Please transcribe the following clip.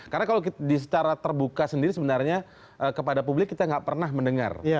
karena kalau secara terbuka sendiri sebenarnya kepada publik kita nggak pernah mendengar